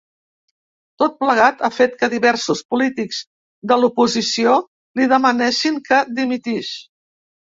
Tot plegat, ha fet que diversos polítics de l’oposició li demanessin que dimitís.